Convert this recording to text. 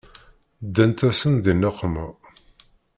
Ddant-asent di nneqma.